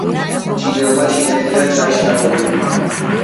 ჩინელმა ჩინეთიდან ჩაი ჩამოიტანა.